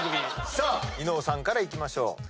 伊野尾さんからいきましょう。